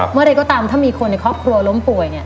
เมื่อเด็กก็ตามถ้ามีคนในครอบครัวล้มป่วยเนี่ย